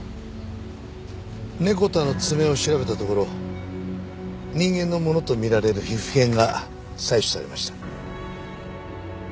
ネコ太の爪を調べたところ人間のものとみられる皮膚片が採取されました。